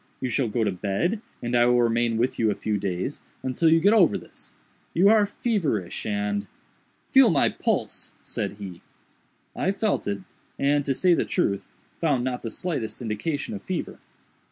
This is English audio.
You shall go to bed, and I will remain with you a few days, until you get over this. You are feverish and—" "Feel my pulse," said he. I felt it, and, to say the truth, found not the slightest indication of fever.